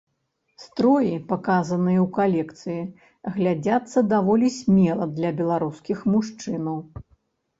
Строі, паказаныя ў калекцыі глядзяцца даволі смела для беларускіх мужчынаў.